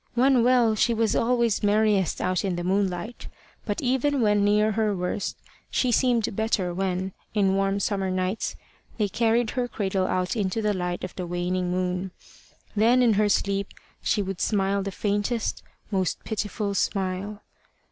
When well, she was always merriest out in the moonlight; but even when near her worst, she seemed better when, in warm summer nights, they carried her cradle out into the light of the waning moon. Then in her sleep she would smile the faintest, most pitiful smile.